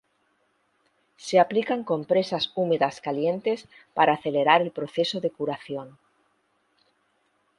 Se aplican compresas húmedas calientes para acelerar el proceso de curación.